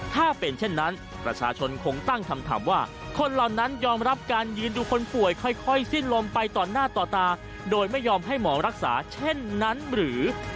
ถ้าเป็นเช่นนั้นประชาชนคงตั้งคำถามว่าคนเหล่านั้นยอมรับการยืนดูคนป่วยค่อยสิ้นลมไปต่อหน้าต่อตาโดยไม่ยอมให้หมอรักษาเช่นนั้นหรือ